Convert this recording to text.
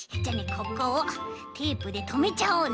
ここをテープでとめちゃおうね。